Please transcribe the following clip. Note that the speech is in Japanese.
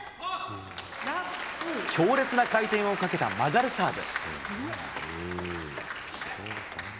強烈な回転をかけた曲がるサーブ。